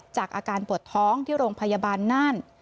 อาการปวดท้องที่โรงพยาบาลน่าน